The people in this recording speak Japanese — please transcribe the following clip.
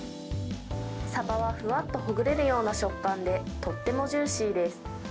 サバはふわっとほぐれるような食感で、とってもジューシーです。